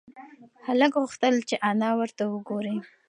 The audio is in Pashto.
هلک غوښتل چې انا ورته وگوري.